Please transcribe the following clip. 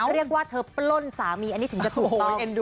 เรียกว่าเธอปล้นสามีอันนี้ถึงจะถูกต้อง